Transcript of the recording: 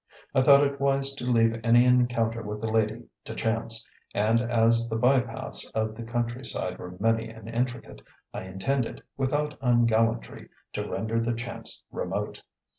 I thought it wise to leave any encounter with the lady to chance, and as the by paths of the country side were many and intricate, I intended, without ungallantry, to render the chance remote.